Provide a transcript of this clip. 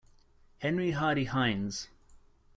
Henry Hardy Heins.